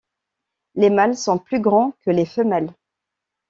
Les mâles sont plus grands que les femelles.